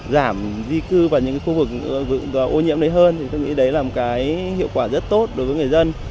giảm di cư vào những khu vực ô nhiễm đấy hơn thì tôi nghĩ đấy là một cái hiệu quả rất tốt đối với người dân